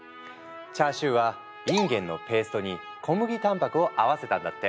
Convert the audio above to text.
チャーシューはいんげんのペーストに小麦たんぱくを合わせたんだって。